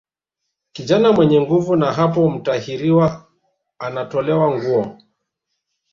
Kijana mwenye nguvu na hapo mtahiriwa anatolewa nguo